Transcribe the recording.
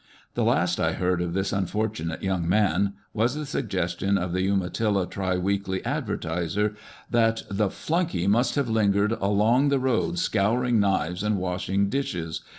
The last I heard of this un fortunate young man was the suggestion of the Umatilla Tri weekly Advertiser :" That the flunkey must have lingered along the road scouring knives and washing dishes.